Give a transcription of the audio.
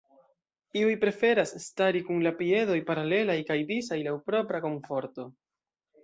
Iuj preferas stari kun la piedoj paralelaj kaj disaj laŭ propra komforto.